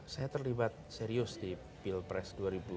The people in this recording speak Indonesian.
saya terlibat serius di pilpres dua ribu sembilan belas